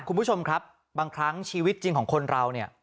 คุณผู้ชมครับบางครั้งชีวิตจริงของคนเราเนี่ย